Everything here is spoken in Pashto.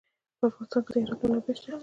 په افغانستان کې د هرات منابع شته.